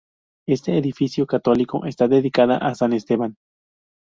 Este edificio católico está dedicada a San Esteban.